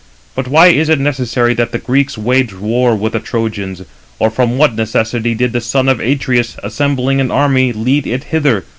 But why is it necessary that the Greeks wage war with the Trojans? Or from what necessity did the son of Atreus, assembling an army, lead it hither?